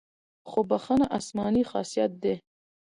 خو بښنه آسماني خاصیت دی.